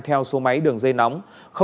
theo số máy đường dây nóng